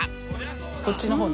こっちの方ね